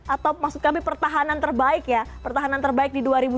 atau maksud kami pertahanan terbaik ya pertahanan terbaik di dua ribu dua puluh